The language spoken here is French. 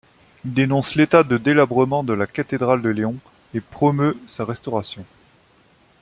Il dénonce l'état de délabrement de la Cathédrale de León et promeut sa restauration.